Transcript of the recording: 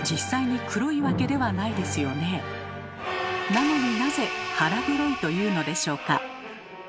なのになぜ「腹黒い」というのでしょうか？